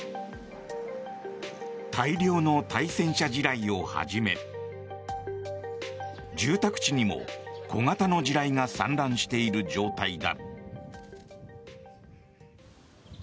大量の対戦車地雷をはじめ住宅地にも小型の地雷が散乱している状態だ。